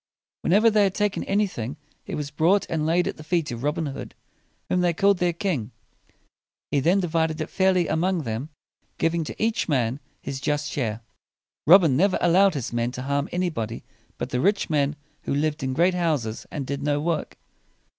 When ever they had taken anything, it was brought and laid at the feet of Robin Hood, whom they called their king. He then di vid ed it fairly among them, giving to each man his just share. Robin never allowed his men to harm any body but the rich men who lived in great houses and did no work.